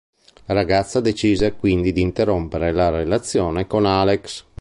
La ragazza decide quindi di interrompere la relazione con Alex.